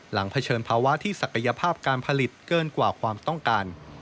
เผชิญภาวะที่ศักยภาพการผลิตเกินกว่าความต้องการ